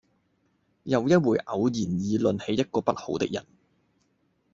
又一回偶然議論起一個不好的人，